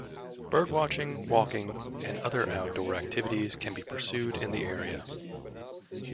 Bird watching, walking and other outdoor activities can be pursued in the area.